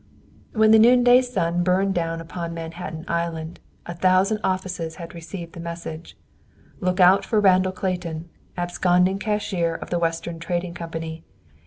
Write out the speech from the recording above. When the noonday sun burned down upon Manhattan Island, a thousand offices had received the message: "Look out for Randall Clayton, absconding cashier of the Western Trading Company.